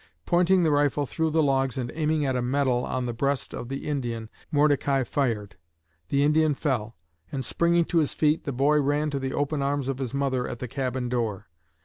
Pointing the rifle through the logs and aiming at a medal on the breast of the Indian, Mordecai fired. The Indian fell, and springing to his feet the boy ran to the open arms of his mother at the cabin door.